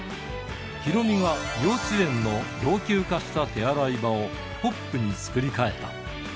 ヒロミが幼稚園の老朽化した手洗い場を、ポップに作りかえた。